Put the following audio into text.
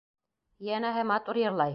Йәнәһе, матур йырлай.